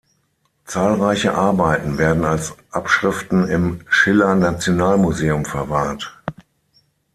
Zahlreiche Arbeiten werden als Abschriften im Schiller-Nationalmuseum verwahrt.